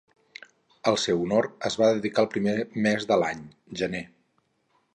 Al seu honor es va dedicar el primer mes de l'any: gener.